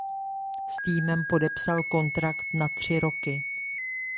S týmem podepsal kontrakt na tři roky.